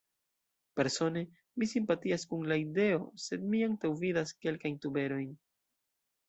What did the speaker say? Persone, mi simpatias kun la ideo, sed mi antaŭvidas kelkajn tuberojn.